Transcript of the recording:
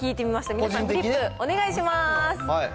皆さん、フリップお願いします。